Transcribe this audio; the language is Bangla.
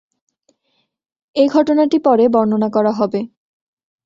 এ ঘটনাটি পরে বর্ণনা করা হবে।